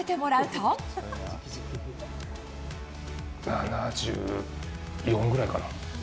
７４ぐらいかな。